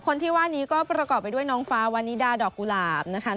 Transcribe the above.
คนที่ว่านี้ก็ประกอบไปด้วยน้องฟ้าวานิดาดอกกุหลาบนะคะ